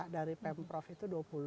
dari pemprov itu dua puluh